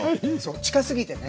近すぎてね。